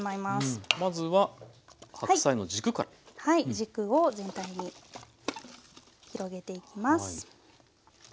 軸を全体に広げていきます。